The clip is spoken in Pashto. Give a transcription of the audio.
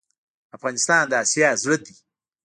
افغانستان د اسیا زړه ده